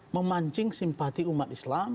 memancing simpati umat islam